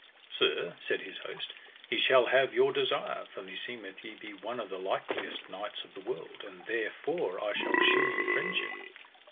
Sir, said his host, ye shall have your desire, for meseemeth ye be one of the likeliest knights of the world, and therefore I shall shew you friendship.